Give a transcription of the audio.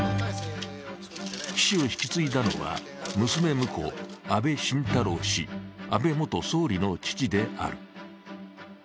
岸を引き継いだのは娘婿安倍晋太郎氏、安倍元総理の父である。